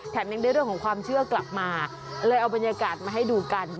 ยังได้เรื่องของความเชื่อกลับมาเลยเอาบรรยากาศมาให้ดูกัน